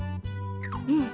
うん。